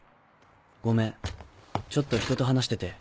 ごめんちょっとひとと話してて。